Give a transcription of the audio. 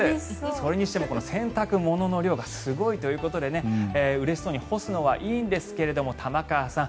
それにしてもこの洗濯物の量がすごいということで嬉しそうに干すのはいいんですが玉川さん